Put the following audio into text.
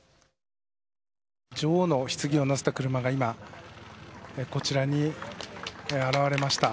女王のひつぎを載せた車が今、こちらに現れました。